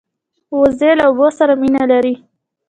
وزې له اوبو سره مینه لري